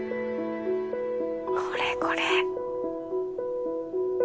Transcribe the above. これこれ。